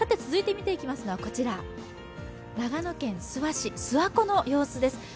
続いて見ていきますのはこちら、長野県諏訪市、諏訪湖の様子です。